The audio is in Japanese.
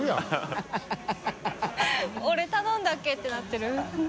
俺頼んだっけ？ってなってる。